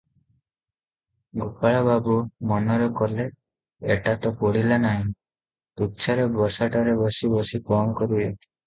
ଗୋପାଳବାବୁ ମନରେ କଲେ, ଏଟା ତ ପଢ଼ିଲା ନାହିଁ, ତୁଚ୍ଛାରେ ବସାଟାରେ ବସି ବସି କଣ କରିବି?